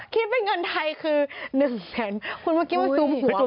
คิดเป็นเงินไทยคือ๑แสนคุณเมื่อกี้มาซูมหัวตัวละแสนหรอ